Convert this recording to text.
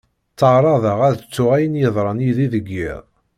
Tteɛraḍeɣ ad ttuɣ ayen i yeḍran yid-i deg yiḍ.